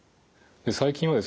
最近はですね